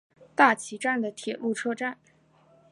大崎站的铁路车站。